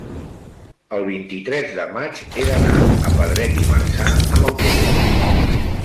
el vint-i-tres de maig he d'anar a Pedret i Marzà amb autobús.